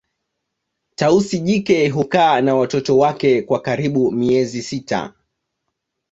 Tausi jike hukaa na watoto wake kwa karibu miezi sita